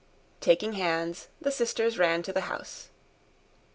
Taking hands the sisters ran to the house.